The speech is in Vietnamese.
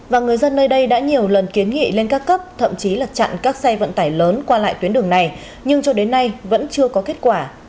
và người dân nơi đây đã nhiều lần kiến nghị lên các cấp thậm chí là chặn các xe vận tải lớn qua lại tuyến đường này nhưng cho đến nay vẫn chưa có kết quả